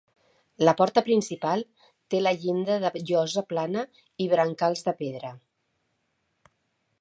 La porta principal té la llinda de llosa plana i brancals de pedra.